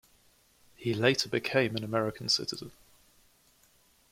He later became an American citizen.